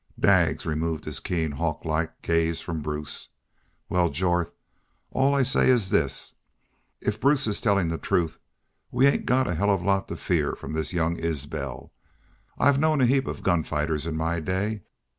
Daggs removed his keen hawklike gaze from Bruce. "Wal, Jorth, all I'll say is this. If Bruce is tellin' the truth we ain't got a hell of a lot to fear from this young Isbel. I've known a heap of gun fighters in my day.